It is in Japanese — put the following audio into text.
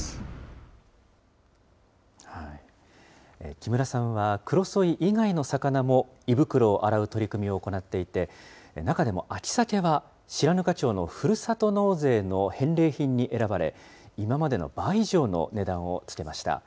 木村さんは、クロソイ以外の魚も、胃袋を洗う取り組みを行っていて、中でも秋サケは、白糠町のふるさと納税の返礼品に選ばれ、今までの倍以上の値段をつけました。